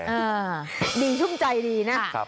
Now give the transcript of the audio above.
อ่าดีชุ่มใจดีนะ